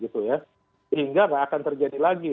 sehingga tidak akan terjadi lagi